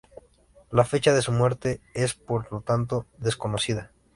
La fecha de su muerte es, por lo tanto, desconocida.